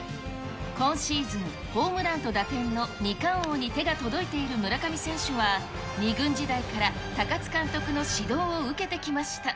今シーズン、ホームランと打点の２冠王に手が届いている村上選手は、２軍時代から高津監督の指導を受けてきました。